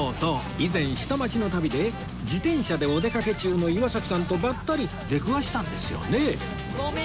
以前下町の旅で自転車でお出かけ中の岩崎さんとばったり出くわしたんですよね